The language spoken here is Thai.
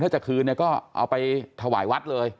ถ้าจะคืนเนี่ยก็เอาไปถวายวัดเลย